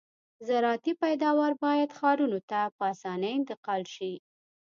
زراعتي پیداوار باید ښارونو ته په اسانۍ انتقال شي